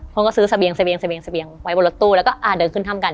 คนก็ซื้อเซอเปียงไว้บนรถตู้แล้วก็เดินขึ้นทำกัน